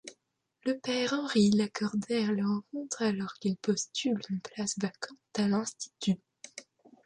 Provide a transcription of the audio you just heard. Le père Henri Lacordaire le rencontre alors qu'il postule une place vacante à l'Institut.